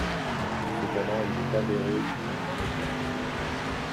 Cependant, il est avéré qu'il n'en était rien.